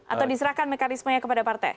atau diserahkan mekanismenya kepada partai